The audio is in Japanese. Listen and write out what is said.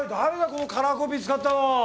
このカラーコピー使ったの。